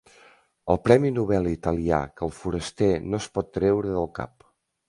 El premi Nobel italià que el foraster no es pot treure del cap.